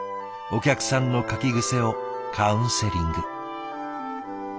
お客さんの書き癖をカウンセリング。